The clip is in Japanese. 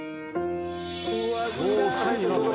［うわ！］